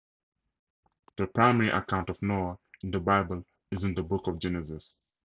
The primary account of Noah in the Bible is in the Book of Genesis.